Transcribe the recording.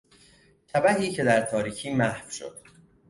شبحی که در تاریکی محو شد